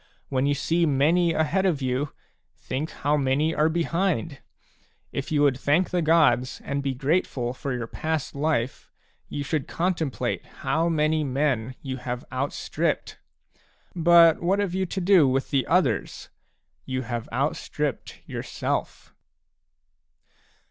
When you see many ahead of you, think how many are behind ! If you would thank the gods, and be grateful for your past life, you should contemplate how many men you have outstripped. But what have you to do with the others ? You have out stripped yourself.